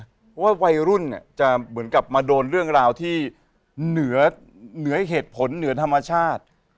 เพราะว่าวัยรุ่นจะเหมือนกับมาโดนเรื่องราวที่เหนือเหตุผลเหนือธรรมชาติ